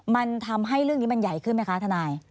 มันทำให้เรื่องนี้มันใหญ่ขึ้นไหมคะทนาย